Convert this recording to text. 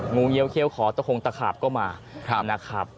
เงี้ยเขี้ยวขอตะโคงตะขาบก็มานะครับ